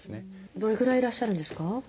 どれぐらいいらっしゃるんですか？